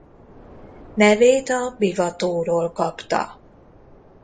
Nevét a Biva-tóról kapta.